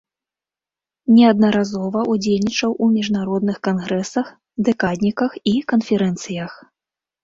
Неаднаразова ўдзельнічаў у міжнародных кангрэсах, дэкадніках і канферэнцыях.